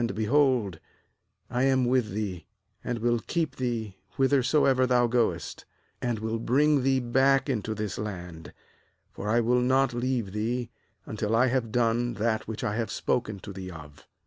J behold, I am with thee, and will keep thee whithersoever thou goest, and will bring thee back into this land; for I will not leave thee, until I have done that which I have spoken to thee of.'